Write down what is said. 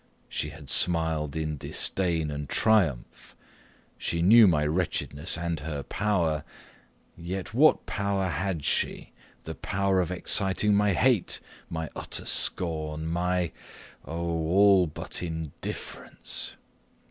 She had smiled in disdain and triumph she knew my wretchedness and her power. Yet what power had she? the power of exciting my hate my utter scorn my oh, all but indifference!